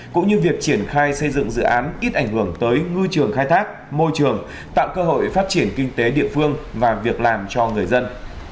cũng như việc triển khai xây dựng dự án ít ảnh hưởng tới ngư trường khai thác môi trường tạo cơ hội phát triển kinh tế địa phương và việc làm cho người dân